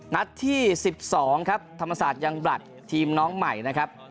นัดที่๑๒ครับธรรมศาสตร์ยังบลัดทีมน้องใหม่นะครับ